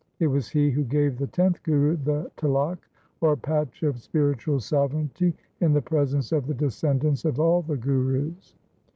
It was he who gave the tenth Guru the tilak, or patch of spiritual sovereignty, in the presence of the descendants of all the Gurus.